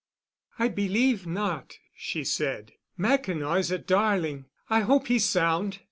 "I believe not," she said. "Mackinaw is a darling. I hope he's sound?"